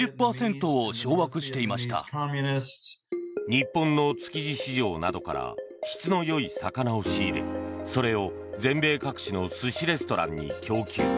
日本の築地市場などから質の良い魚を仕入れそれを全米各地の寿司レストランに供給。